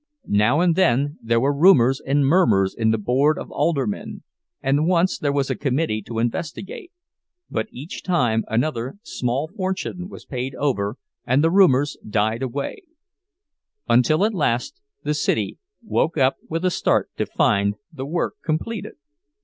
Now and then there were rumors and murmurs in the Board of Aldermen, and once there was a committee to investigate—but each time another small fortune was paid over, and the rumors died away; until at last the city woke up with a start to find the work completed.